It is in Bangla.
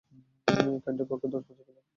কেন্টের পক্ষে দশ বছর খেলেন।